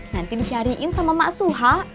nanti dicariin sama mak suha